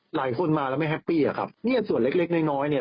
หลายคนมาแล้วไม่แฮปปี้อะครับเนี่ยส่วนเล็กเล็กน้อยน้อยเนี่ย